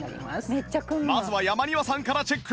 まずは山庭さんからチェック